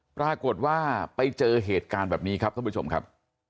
ปรากฏว่าไปเจอเหตุการณ์แบบนี้ครับท่านผู้ชมครับ